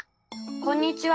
こんにちは！